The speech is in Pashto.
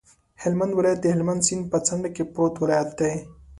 هلمند ولایت د هلمند سیند په څنډه کې پروت ولایت دی.